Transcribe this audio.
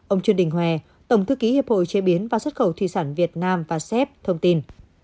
ông truyền đình hòe tổng thư ký hiệp hội chế biến và xuất khẩu thủy sản việt nam và sep thông tin